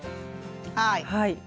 はい。